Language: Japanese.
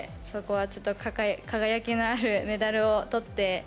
そこは輝きのあるメダルをとって。